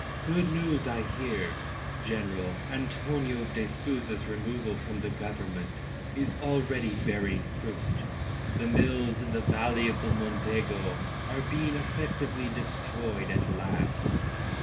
"Good news, I hear, General. Antonio de Souza's removal from the Government is already bearing fruit. The mills in the valley of the Mondego are being effectively destroyed at last."